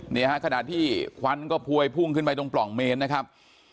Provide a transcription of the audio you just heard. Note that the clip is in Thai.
เนี่ยฮะขณะที่ควันก็พวยพุ่งขึ้นไปตรงปล่องเมนนะครับ